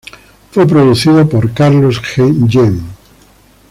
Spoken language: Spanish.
Fue producido por Carlos Jean.